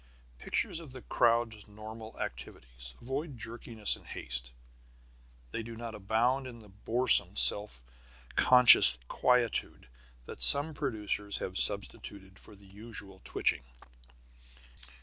The pictures of the crowd's normal activities avoid jerkiness and haste. They do not abound in the boresome self conscious quietude that some producers have substituted for the usual twitching.